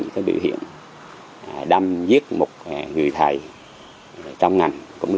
khi đến ngày hai mươi bốn pinky